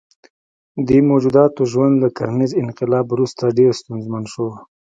دې موجوداتو ژوند له کرنیز انقلاب وروسته ډېر ستونزمن شو.